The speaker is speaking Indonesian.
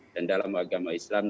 dan dalam agama islam